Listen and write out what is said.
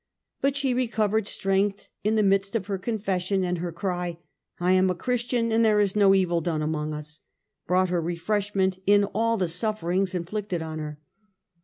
But she recovered strength in the midst of her confession, and her cry, ' I am a Christian, and there is no evil done among us,* brought her refreshment in all the sufferings inflicted on her.